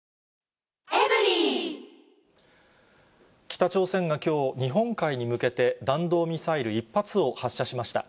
北朝鮮がきょう、日本海に向けて、弾道ミサイル１発を発射しました。